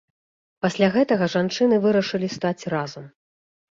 Пасля гэтага жанчыны вырашылі стаць разам.